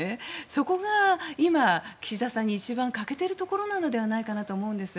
そこが今、岸田さんに一番欠けているところだと思います。